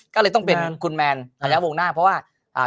ก็เลยต้องเป็นคุณแมนอาจารย์วงหน้าเพราะว่าอ่า